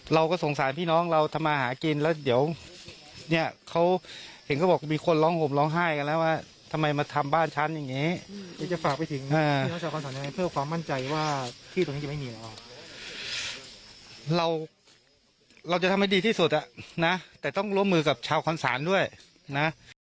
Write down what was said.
เราจะทำให้ดีที่สุดนะแต่ต้องร่วมมือกับชาวความสารด้วยนะ